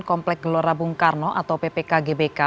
komplek gelora bung karno atau ppk gbk